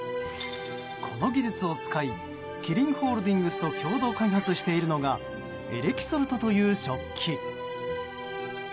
この技術を使いキリンホールディングスと共同開発しているのがエレキソルトという食器。